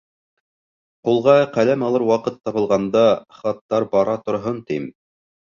Ҡулға ҡәләм алыр ваҡыт табылғанда, хаттар бара торһон, тим.